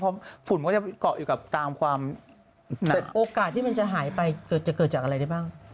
โอกาสที่มันจะหายไปเกิดจากอะไรได้บ้าง